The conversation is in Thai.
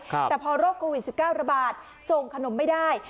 แต่พอโรคโควิด๑๙ระบาดส่งขนมไม่ได้